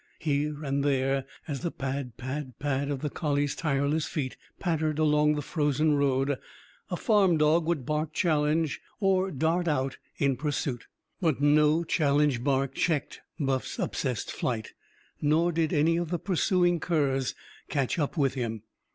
Here and there, as the pad pad pad of the collie's tireless feet pattered along the frozen road, a farm dog would bark challenge or dart out in pursuit. But no challenge bark checked Buff's obsessed flight. Nor did any of the pursuing curs catch up with him.